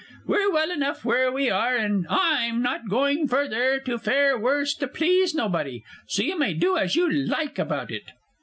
We're well enough where we are, and I'm not going further to fare worse to please nobody; so you may do as you like about it.